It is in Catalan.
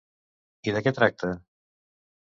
I de què tracta?